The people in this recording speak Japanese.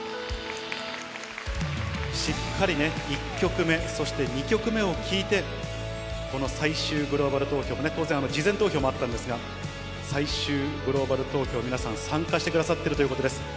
しっかりね、１曲目、そして２曲目を聴いて、この最終グローバル投票も、当然、事前投票もあったんですが、最終グローバル投票、皆さん、参加してくださっているということです。